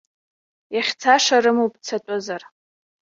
Иахьцаша рымоуп, цатәызар.